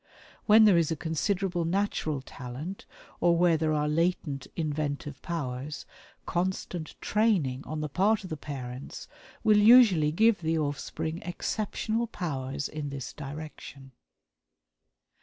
When there is a considerable natural talent or where there are latent inventive powers, constant training on the part of the parents will usually give the offspring exceptional powers in this direction."